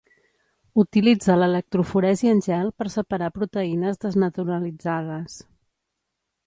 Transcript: Utilitza l'electroforesi en gel per separar proteïnes desnaturalitzades.